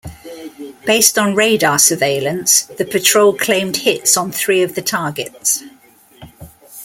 Based on radar surveillance the patrol claimed hits on three of the targets.